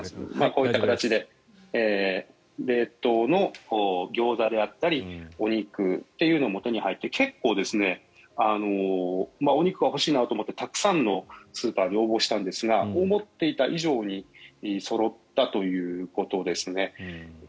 こういった形で冷凍のギョーザであったりお肉というのも手に入って結構、お肉は欲しいなと思ってたくさんのスーパーに応募したんですが思っていた以上にそろったということですね。